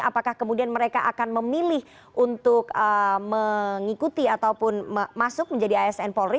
apakah kemudian mereka akan memilih untuk mengikuti ataupun masuk menjadi asn polri